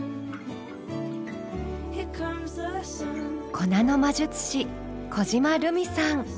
粉の魔術師小嶋ルミさん。